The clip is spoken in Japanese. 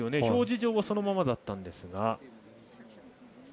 表示上はそのままだったんですが。